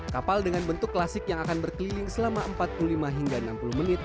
kapal dengan bentuk klasik yang akan berkeliling selama empat puluh lima hingga enam puluh menit